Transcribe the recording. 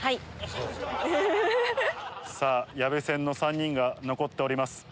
矢部船の３人が残っております。